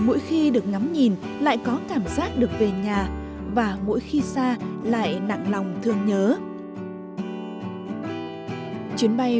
mỗi khi được ngắm nhìn lại có cảm giác được về nhà và mỗi khi xa lại nặng lòng thương nhớ chuyến bay